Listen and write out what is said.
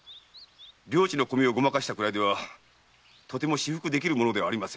領地の米をごまかしたくらいではとても私腹できるものでは。